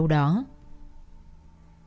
nhưng không có bắt cóc